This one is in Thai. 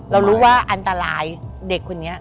เรารู้ว่าอันตรายเด็กคนนี้